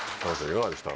いかがでした？